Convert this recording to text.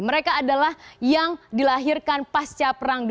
mereka adalah yang dilahirkan pasca perang